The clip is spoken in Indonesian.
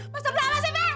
masa berapa sih be